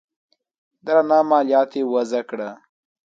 درنه مالیه یې وضعه کړه